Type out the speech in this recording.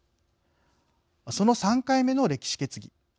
その３回目の歴史決議。